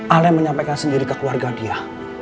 al yang menyampaikan sendiri ke keluarga dia